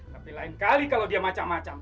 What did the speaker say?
tapi lain kali kalau dia macam macam